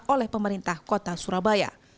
oleh pemerintah kota surabaya